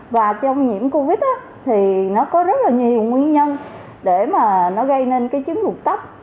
và trong nhiễm covid thì nó có rất là nhiều nguyên nhân để mà nó gây nên cái chứng lục tóc